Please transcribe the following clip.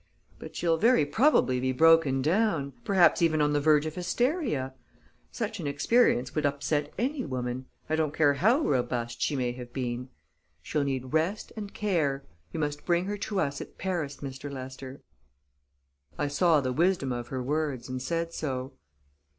"But she'll very probably be broken down, perhaps even on the verge of hysteria. Such an experience would upset any woman, I don't care how robust she may have been. She'll need rest and care. You must bring her to us at Paris, Mr. Lester." I saw the wisdom of her words, and said so.